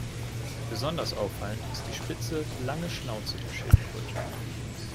Besonders auffallend ist die spitze, lange Schnauze der Schildkröte.